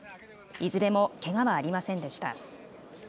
いずれもけがはありませんでした。